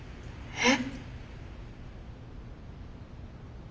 えっ。